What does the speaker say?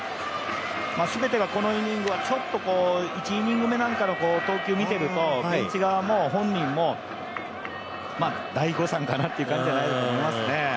全てがこのイニングはちょっと１イニング目なんかの投球を見ているとベンチ側も本人も大誤算かなという感じかなと思いますね。